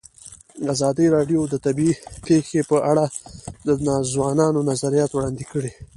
ازادي راډیو د طبیعي پېښې په اړه د ځوانانو نظریات وړاندې کړي.